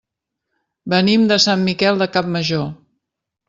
Venim de Sant Miquel de Campmajor.